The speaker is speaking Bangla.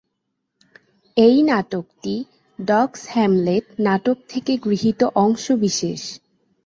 এই নাটকটি "ডগ’স হ্যামলেট" নাটক থেকে গৃহীত অংশবিশেষ।